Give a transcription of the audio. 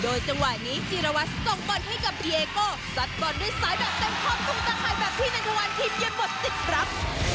โดยจังหวะนี้จีรวัสส่งบอลให้กับเบียโกสัดบอลด้วยสายแบบเต็มครอบคลุมตาไข่แบบที่ในทะวันทีมเย็นหมดติดรับ